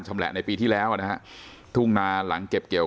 แหละในปีที่แล้วอ่ะนะฮะทุ่งนาหลังเก็บเกี่ยว